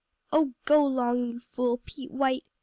"Oh go 'long, you fool, Pete White!"